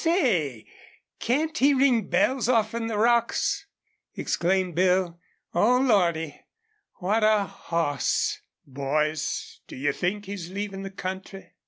"Say, can't he ring bells offen the rocks?" exclaimed Bill. "Oh, Lordy! what a hoss!" "Boys, do you think he's leavin' the country?"